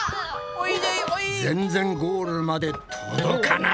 全然ゴールまで届かない！